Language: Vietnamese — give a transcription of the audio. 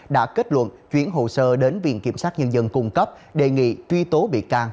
đã kết luận chuyển hồ sơ đến viện kiểm sát nhân dân cung cấp đề nghị truy tố bị can